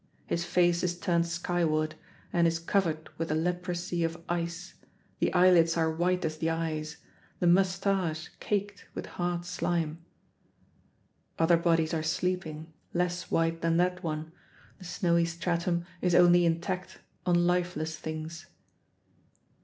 His face is turned skyward and is covered with a leprosy of ice, the eyelids are white as the eyes, the mustache caked with hard slime. Other bodies are sleeping, less white than that one; the snowy stratum is only intact on lifeless things.